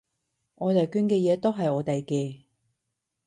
我哋捐嘅嘢都係我哋嘅